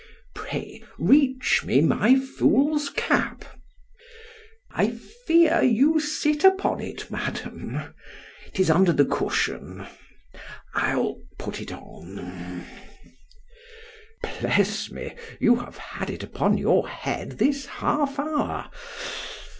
——Pray reach me my fool's cap——I fear you sit upon it, Madam——'tis under the cushion——I'll put it on—— Bless me! you have had it upon your head this half hour.